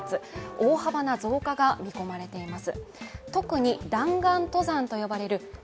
大幅な増加が見込まれています。